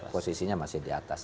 posisinya masih di atas